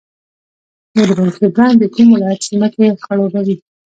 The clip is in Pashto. د درونټې بند د کوم ولایت ځمکې خړوبوي؟